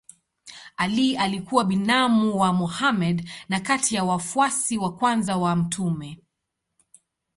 Ali alikuwa binamu wa Mohammed na kati ya wafuasi wa kwanza wa mtume.